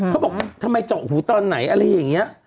เขาบอกทำไมเจาะหูตอนไหนอะไรอย่างนี้